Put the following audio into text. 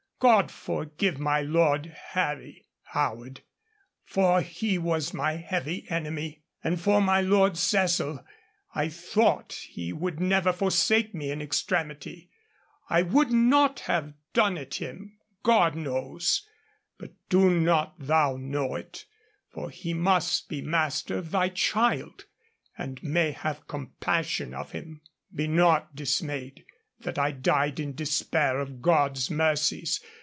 God forgive my Lord Harry [Howard], for he was my heavy enemy. And for my Lord Cecil, I thought he would never forsake me in extremity. I would not have done it him, God knows. But do not thou know it, for he must be master of thy child, and may have compassion of him. Be not dismayed, that I died in despair of God's mercies.